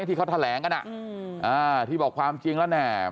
ที่บอกความจริงแล้วเนี่ย